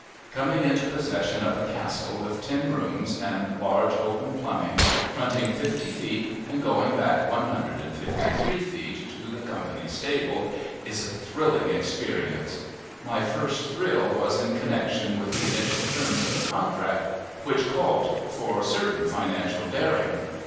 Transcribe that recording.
Coming into possession of a castle with ten rooms and large open plumbing, fronting fifty feet and going back one hundred and fifty three feet to the company's stable, is a thrilling experience. My first thrill was in connection with the initial terms of the contract, which called for certain financial daring.